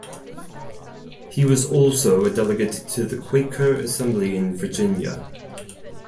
He was also a delegate to the Quaker Assembly in Virginia.